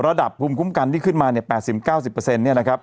ระดับภูมิคุ้มกันที่ขึ้นมาเนี่ย๘๐๙๐เนี่ยนะครับ